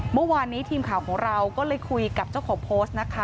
เมื่อวานนี้ทีมข่าวของเราก็เลยคุยกับเจ้าของโพสต์นะคะ